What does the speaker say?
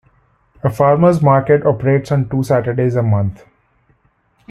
A farmers' market operates on two Saturdays a month.